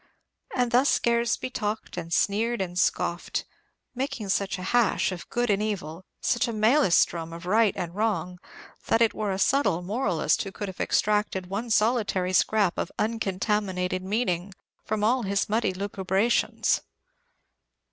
And thus Scaresby talked, and sneered, and scoffed, making such a hash of good and evil, such a Maelstrom of right and wrong, that it were a subtle moralist who could have extracted one solitary scrap of uncontaminated meaning from all his muddy lucubrations.